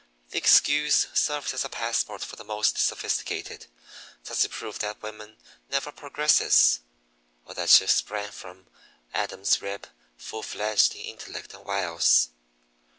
The excuse serves as a passport for the most sophisticated. Does it prove that woman never progresses, or that she sprang from Adam's rib, full fledged in intellect and wiles?